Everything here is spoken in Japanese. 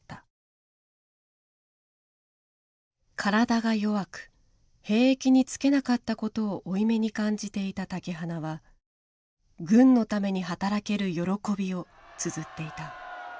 体が弱く兵役につけなかったことを負い目に感じていた竹鼻は軍のために働ける喜びを綴っていた。